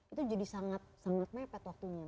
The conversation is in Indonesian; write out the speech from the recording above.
itu jadi sangat sangat mepet waktunya